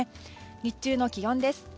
日中の気温です。